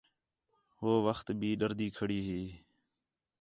ہو وخت بھی ݙردی کھڑی ہی